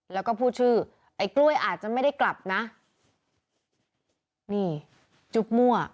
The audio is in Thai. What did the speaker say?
แล้วก็พูดชื่อไอ้กล้วยอาจจะไม่ได้กลับนะนี่จุ๊บมั่ว